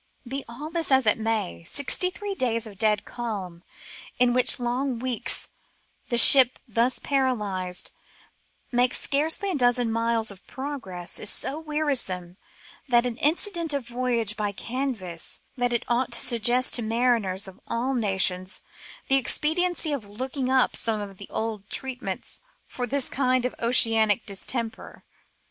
Be all this as it may, sixty three days of dead calm, in which long weeks the ship thus paralyzed makes scarcely a dozen miles of progress, is so wearisome an incident of a voyage by canvas that it ought to suggest to mariners of all nations the expediency of " looking up " some of the old treatments for this kind of oceanic distemper.